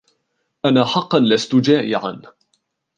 أنا حقاً لستُ جائعاً.